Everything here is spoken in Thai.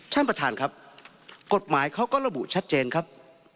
ท่านประธานครับกฎหมายเขาก็ระบุชัดเจนครับ